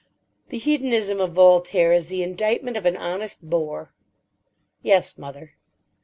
"The hedonism of Voltaire is the indictment of an honest bore." "Yes, mother."